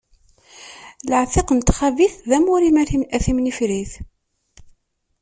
Laɛtiq n txabit d amur-im a timnifrit.